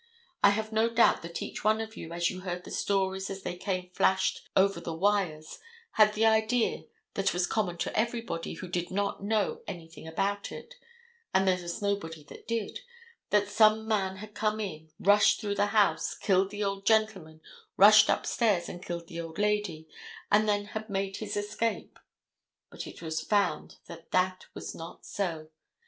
I have no doubt that each one of you, as you heard the stories as they came flashed over the wires, had the idea that was common to everybody who did not know anything about it, and there was nobody that did, that some man had come in, rushed through the house, killed the old gentleman, rushed upstairs and killed the old lady, and then had made his escape. But it was found that that was not so.